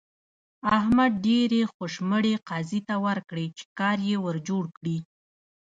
احمد ډېرې خوشمړې قاضي ته ورکړې چې کار يې ور جوړ کړي.